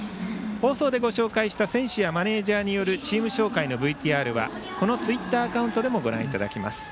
放送でご紹介した選手やマネージャーによるチーム紹介はこのツイッターアカウントでもご覧いただけます。